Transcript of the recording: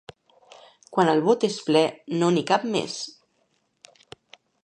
Quan el bot és ple, no n'hi cap més.